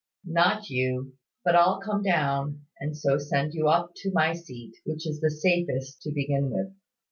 "Not you: but I'll come down, and so send you up to my seat, which is the safest to begin with.